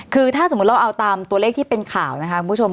คือถ้าสมมุติเราเอาตามตัวเลขที่เป็นข่าวนะคะคุณผู้ชม